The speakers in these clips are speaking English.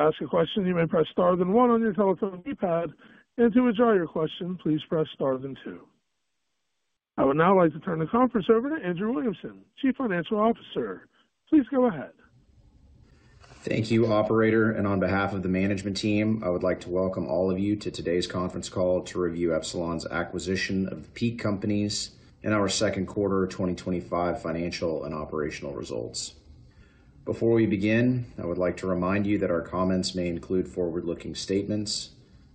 To ask a question, you may press star then one on your telephone keypad. To withdraw your question, please press star then two. I would now like to turn the conference over to Andrew Williamson, Chief Financial Officer. Please go ahead. Thank you, Operator. On behalf of the management team, I would like to welcome all of you to today's conference call to review Epsilon's acquisition of the Peak Companies and our second quarter 2025 financial and operational results. Before we begin, I would like to remind you that our comments may include forward-looking statements.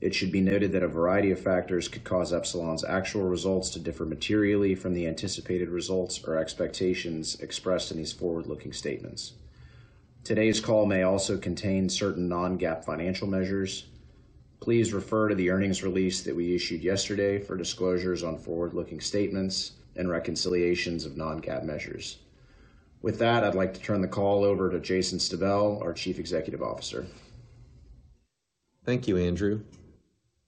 It should be noted that a variety of factors could cause Epsilon's actual results to differ materially from the anticipated results or expectations expressed in these forward-looking statements. Today's call may also contain certain non-GAAP financial measures. Please refer to the earnings release that we issued yesterday for disclosures on forward-looking statements and reconciliations of non-GAAP measures. With that, I'd like to turn the call over to Jason Stabell, our Chief Executive Officer. Thank you, Andrew.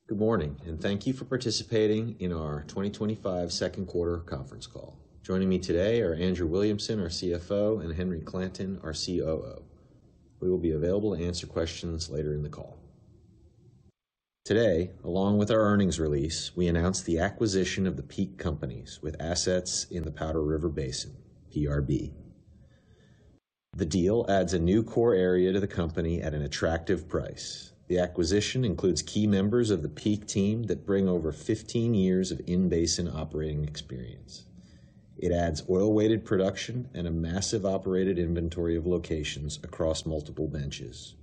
Good morning, and thank you for participating in our 2025 second quarter conference call. Joining me today are Andrew Williamson, our CFO, and Henry Clanton, our COO. We will be available to answer questions later in the call. Today, along with our earnings release, we announced the acquisition of the Peak Companies with assets in the Powder River Basin, PRB. The deal adds a new core area to the company at an attractive price. The acquisition includes key members of the Peak team that bring over 15 years of in-basin operating experience. It adds oil-weighted production and a massive operated inventory of locations across multiple benches.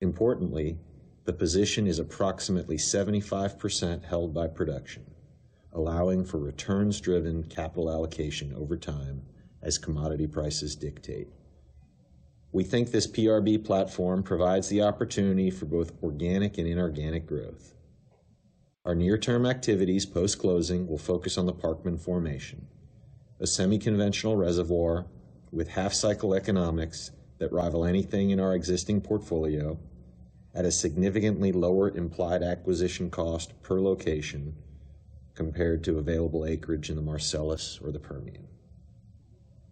Importantly, the position is approximately 75% held by production, allowing for returns-driven capital allocation over time as commodity prices dictate. We think this PRB platform provides the opportunity for both organic and inorganic growth. Our near-term activities post-closing will focus on the Parkman Formation, a semi-conventional reservoir with half-cycle economics that rival anything in our existing portfolio at a significantly lower implied acquisition cost per location compared to available acreage in the Marcellus or the Permian.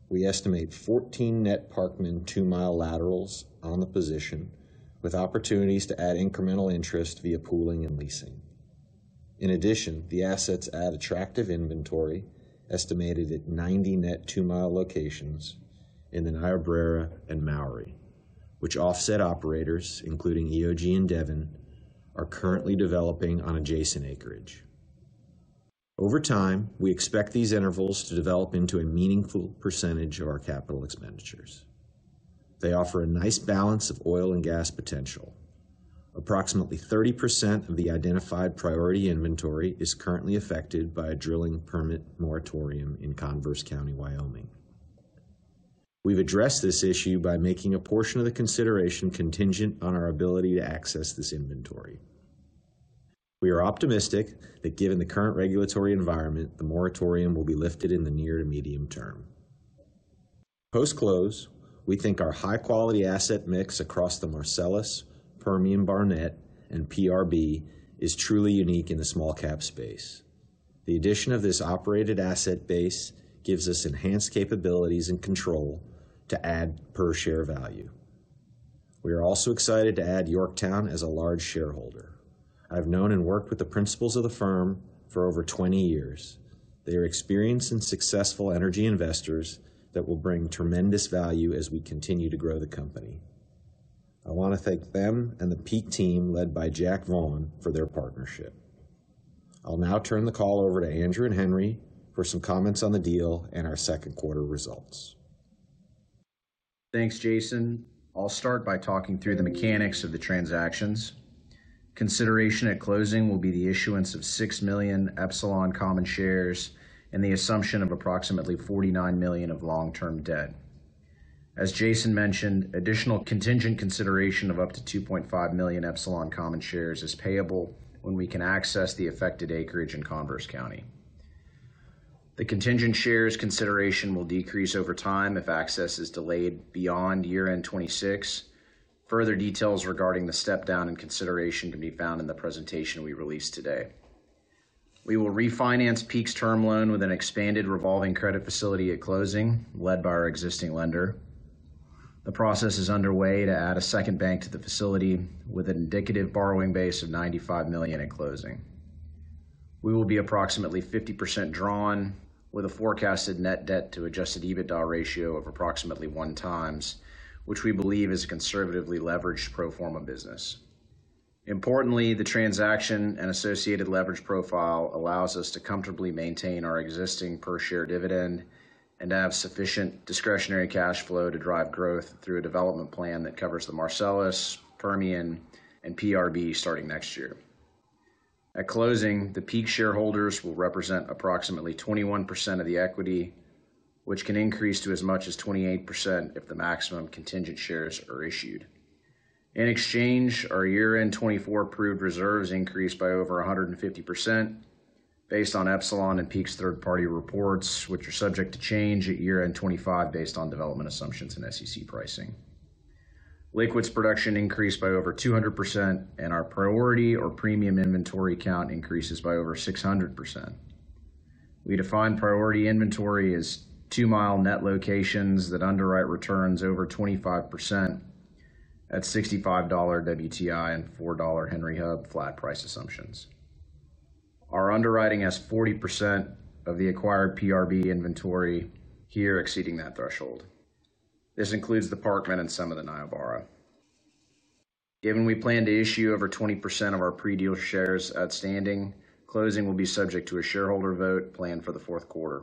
We estimate 14 net Parkman two-mile laterals on the position with opportunities to add incremental interest via pooling and leasing. In addition, the assets add attractive inventory estimated at 90 net two-mile locations in the Niobrara and Mowry, which offset operators, including EOG and Devon, are currently developing on adjacent acreage. Over time, we expect these intervals to develop into a meaningful percentage of our capital expenditures. They offer a nice balance of oil and gas potential. Approximately 30% of the identified priority inventory is currently affected by a drilling permit moratorium in Converse County, Wyoming. We've addressed this issue by making a portion of the consideration contingent on our ability to access this inventory. We are optimistic that given the current regulatory environment, the moratorium will be lifted in the near to medium term. Post-close, we think our high-quality asset mix across the Marcellus, Permian Barnet, and PRB is truly unique in the small-cap space. The addition of this operated asset base gives us enhanced capabilities and control to add per share value. We are also excited to add Yorktown as a large shareholder. I've known and worked with the principals of the firm for over 20 years. They are experienced and successful energy investors that will bring tremendous value as we continue to grow the company. I want to thank them and the Peak team led by Jack Vaughn for their partnership. I'll now turn the call over to Andrew and Henry for some comments on the deal and our second quarter results. Thanks, Jason. I'll start by talking through the mechanics of the transactions. Consideration at closing will be the issuance of 6 million Epsilon common shares and the assumption of approximately $49 million of long-term debt. As Jason mentioned, additional contingent consideration of up to 2.5 million Epsilon common shares is payable when we can access the affected acreage in Converse County. The contingent shares consideration will decrease over time if access is delayed beyond year-end 2026. Further details regarding the step-down in consideration can be found in the presentation we released today. We will refinance Peak's term loan with an expanded revolving credit facility at closing, led by our existing lender. The process is underway to add a second bank to the facility with an indicative borrowing base of $95 million at closing. We will be approximately 50% drawn with a forecasted net debt-to-adjusted EBITDA ratio of approximately 1x, which we believe is a conservatively leveraged pro forma business. Importantly, the transaction and associated leverage profile allow us to comfortably maintain our existing per-share dividend and have sufficient discretionary cash flow to drive growth through a development plan that covers the Marcellus, Permian, and PRB starting next year. At closing, the Peak shareholders will represent approximately 21% of the equity, which can increase to as much as 28% if the maximum contingent shares are issued. In exchange, our year-end 2024 approved reserves increased by over 150% based on Epsilon and Peak's third-party reports, which are subject to change at year-end 2025 based on development assumptions and SEC pricing. Liquids production increased by over 200%, and our priority or premium inventory count increases by over 600%. We define priority inventory as two-mile net locations that underwrite returns over 25% at $65 WTI and $4 Henry Hub flat price assumptions. Our underwriting has 40% of the acquired PRB inventory here exceeding that threshold. This includes the Parkman and some of the Niobrara. Given we plan to issue over 20% of our pre-deal shares outstanding, closing will be subject to a shareholder vote planned for the fourth quarter.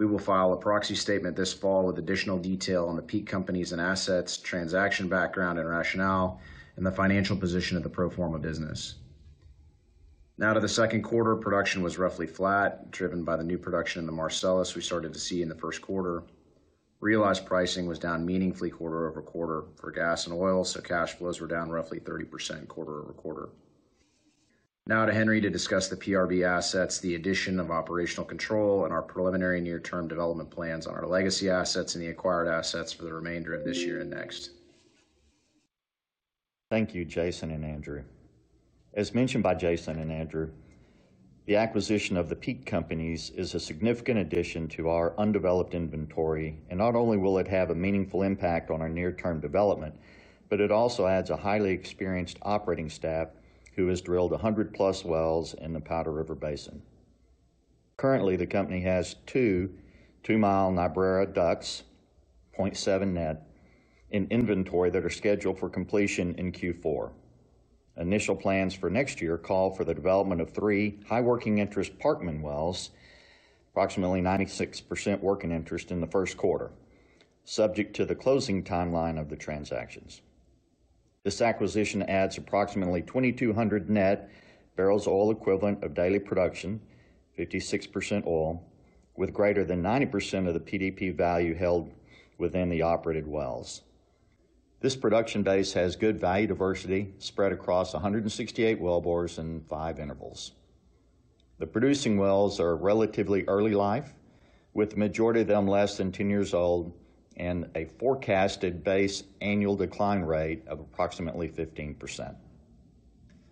We will file a proxy statement this fall with additional detail on the Peak Companies and assets, transaction background and rationale, and the financial position of the pro forma business. Now to the second quarter, production was roughly flat, driven by the new production in the Marcellus we started to see in the first quarter. Realized pricing was down meaningfully quarter-over-quarter for gas and oil, so cash flows were down roughly 30% quarter-over-quarter. Now to Henry to discuss the PRB assets, the addition of operational control, and our preliminary near-term development plans on our legacy assets and the acquired assets for the remainder of this year and next. Thank you, Jason and Andrew. As mentioned by Jason and Andrew, the acquisition of the Peak Companies is a significant addition to our undeveloped inventory, and not only will it have a meaningful impact on our near-term development, but it also adds a highly experienced operating staff who has drilled 100+ wells in the Powder River Basin. Currently, the company has two two-mile Niobrara ducts, 0.7 net, in inventory that are scheduled for completion in Q4. Initial plans for next year call for the development of three high working interest Parkman wells, approximately 96% working interest in the first quarter, subject to the closing timeline of the transactions. This acquisition adds approximately 2,200 net bbl of oil equivalent of daily production, 56% oil, with greater than 90% of the PDP value held within the operated wells. This production base has good value diversity spread across 168 well bores in five intervals. The producing wells are relatively early life, with the majority of them less than 10 years old and a forecasted base annual decline rate of approximately 15%.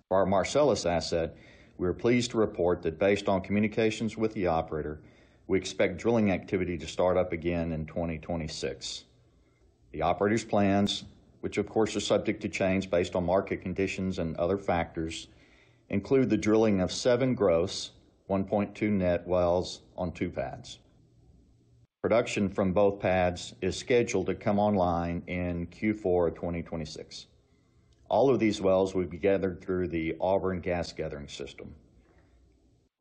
For our Marcellus asset, we are pleased to report that based on communications with the Operator, we expect drilling activity to start up again in 2026. The Operator's plans, which of course are subject to change based on market conditions and other factors, include the drilling of seven gross, 1.2 net wells on two pads. Production from both pads is scheduled to come online in Q4 of 2026. All of these wells will be gathered through the Auburn Gas Gathering System.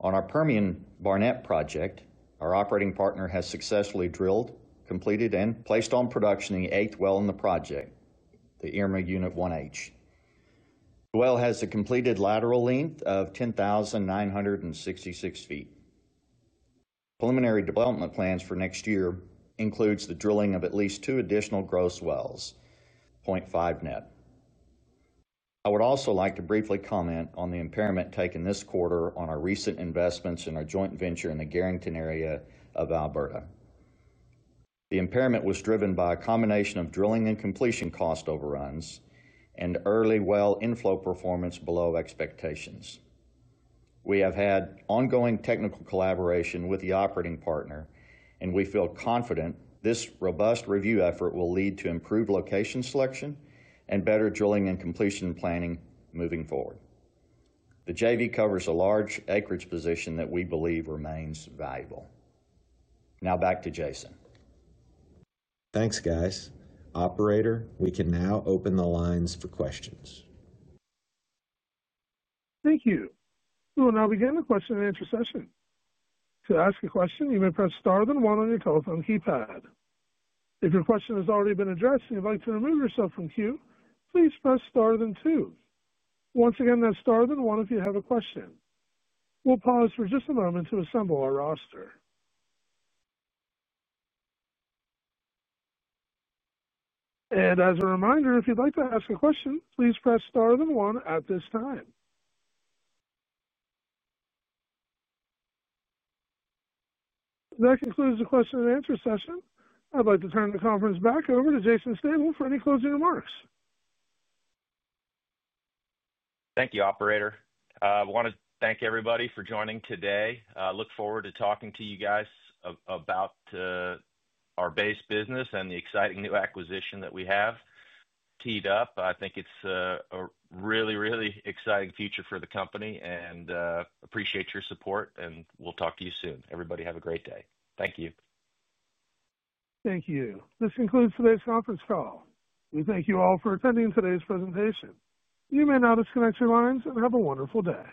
On our Permian Barnet project, our operating partner has successfully drilled, completed, and placed on production the eighth well in the project, the Irma Unit 1H. The well has a completed lateral length of 10,966 feet. Preliminary development plans for next year include the drilling of at least two additional gross wells, 0.5 net. I would also like to briefly comment on the impairment taken this quarter on our recent investments in our joint venture in the Garrington area of Alberta. The impairment was driven by a combination of drilling and completion cost overruns and early well inflow performance below expectations. We have had ongoing technical collaboration with the operating partner, and we feel confident this robust review effort will lead to improved location selection and better drilling and completion planning moving forward. The JV covers a large acreage position that we believe remains valuable. Now back to Jason. Thanks, guys. Operator, we can now open the lines for questions. Thank you. We will now begin the question and answer session. To ask a question, you may press star then one on your telephone keypad. If your question has already been addressed and you'd like to remove yourself from queue, please press star then two. Once again, that's star then one if you have a question. We'll pause for just a moment to assemble our roster. As a reminder, if you'd like to ask a question, please press star then one at this time. That concludes the question and answer session. I'd like to turn the conference back over to Jason Stabell for any closing remarks. Thank you, Operator. I want to thank everybody for joining today. I look forward to talking to you guys about our base business and the exciting new acquisition that we have teed up. I think it's a really, really exciting future for the company and appreciate your support. We'll talk to you soon. Everybody, have a great day. Thank you. Thank you. This concludes today's conference call. We thank you all for attending today's presentation. You may now disconnect your lines and have a wonderful day.